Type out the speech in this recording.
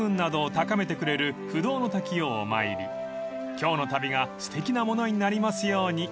［今日の旅がすてきなものになりますように］